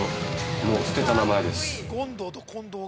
◆もう捨てた名前です。